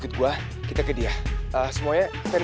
tentang mana sumbernya tadi